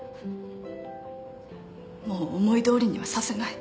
もう思いどおりにはさせない。